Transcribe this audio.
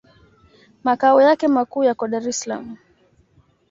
Makao yake makuu yako Dar es Salaam.